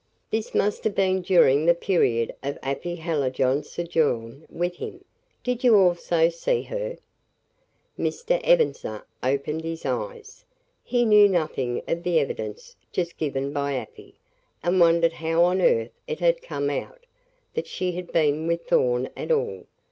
"This must have been during the period of Afy Hallijohn's sojourn with him. Did you also see her?" Mr. Ebenezer opened his eyes. He knew nothing of the evidence just given by Afy, and wondered how on earth it had come out that she had been with Thorn at all.